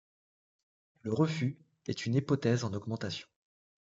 Le refus est une hypothèse en augmentation.